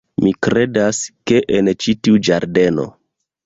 Mi kredas, ke en ĉi tiu ĝardeno...